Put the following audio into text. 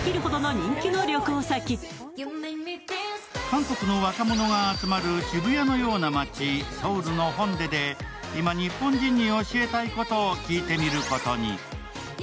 韓国の若者が集まる渋谷のような街、ソウルのホンデで今、日本人に教えたいことを聞いてみることに。